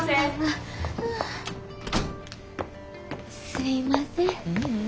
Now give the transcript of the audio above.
すいません。